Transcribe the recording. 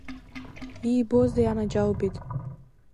Иибозеи, анаџьалбеит!